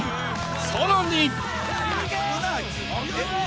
［さらに］